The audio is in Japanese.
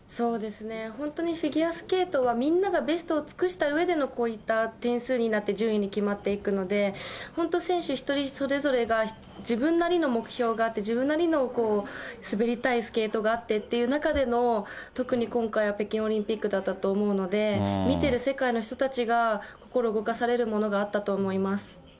本当にフィギュアスケートはみんながベストを尽くしたうえでの、こういった点数になって、順位に決まっていくので、本当、選手それぞれが自分なりの目標があって、自分なりの滑りたいスケートがあってっていう中での、特に今回は北京オリンピックだったと思うので、見てる世界の人たちが心動かされるものがあったと思います。